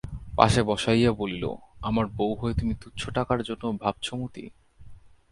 পাশে বসাইয়া বলিল, আমার বৌ হয়ে তুমি তুচ্ছ টাকার জন্য ভাবছ মতি?